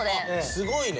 すごいね。